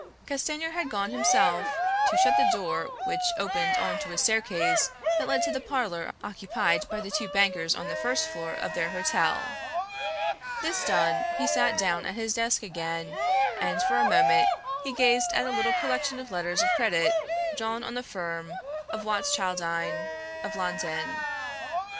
Castanier had gone himself to shut the door which opened on to a staircase that led to the parlor occupied by the two bankers on the first floor of their hotel. This done, he had sat down at his desk again, and for a moment he gazed at a little collection of letters of credit drawn on the firm of Watschildine of London.